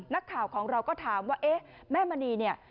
นักข่าวของเราก็ถามว่าเอ๊ะแม่มณีเนี่ย